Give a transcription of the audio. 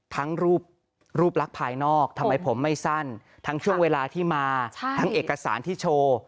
ทั้งรูปลักษณ์ภายนอกทำไมผมไม่สั้นทั้งช่วงเวลาที่มาทั้งเอกสารที่โชว์